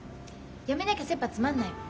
やめなきゃせっぱ詰まんないもん。